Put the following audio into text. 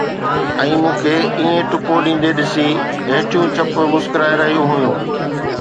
۽ مون کي ائين ٽپو ڏيندي ڏسي، هيٺيون چپ مسڪرائي رهيون هيون